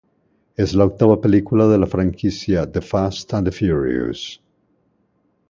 Es la octava película de la franquicia "The Fast and the Furious".